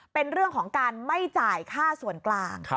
เป็นเรื่องของการไม่จ่ายค่าส่วนกลาง